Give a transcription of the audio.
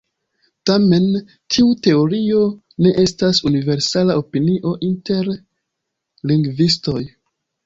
Tamen, tiu teorio ne estas universala opinio inter lingvistoj.